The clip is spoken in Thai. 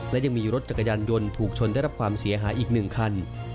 และยังมีรถจักรยานยนต์ถูกชนได้รับความเสียหายอีก๑คัน